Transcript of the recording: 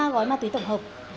ba gói ma túy tổng hợp